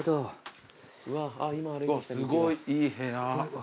うわっすごいいい部屋。